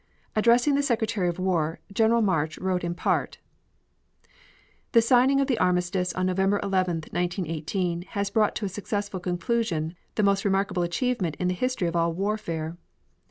Addressing the Secretary of War, General March wrote in part: The signing of the armistice on November 11, 1918, has brought to a successful conclusion the most remarkable achievement in the history of all warfare.